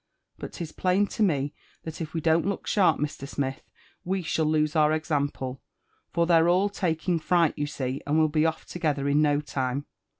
But 'tis plain to me that if we don't look sharp, Mr. Smith, we^hall lose our example, for they're all taking fright, you see, and will be off together in no time.